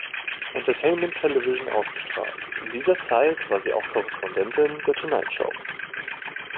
Entertainment Television ausgestrahlt, in dieser Zeit war sie auch Korrespondentin der Tonight Show.